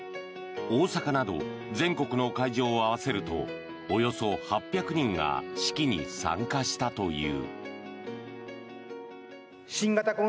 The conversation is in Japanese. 大阪など全国の会場を合わせるとおよそ８００人が式に参加したという。